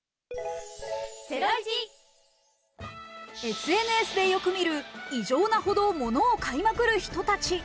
ＳＮＳでよく見る、異常なほど物を買いまくる人たち。